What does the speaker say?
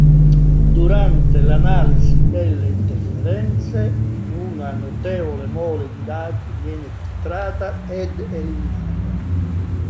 Durante l'analisi delle interferenze, una notevole mole di dati viene filtrata ed eliminata.